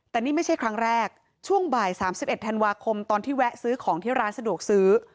แต่นี่ไม่ใช่ครั้งแรกช่วงบ่าย๓๑ธันวาคมตอนที่แวะซื้อของที่ร้านสะดวกซื้อ